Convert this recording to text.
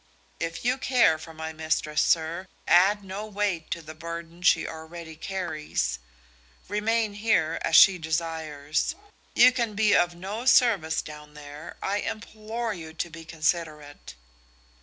If you care for my mistress, sir, add no weight to the burden she already carries. Remain here, as she desires. You can be of no service down there. I implore you to be considerate."